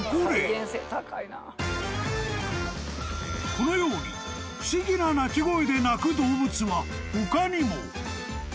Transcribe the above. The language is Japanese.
［このように不思議な鳴き声で鳴く動物は他にも］